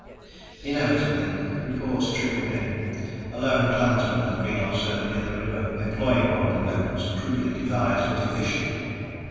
Inevitably the reports trickled in. A lone clansman had been observed near the river, employing one of the weapons crudely devised but efficient.